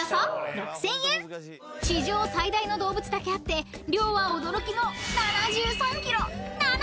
［地上最大の動物だけあって量は驚きの］